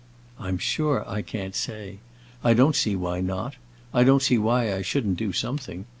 I'm sure I can't say! I don't see why not. I don't see why I shouldn't do something.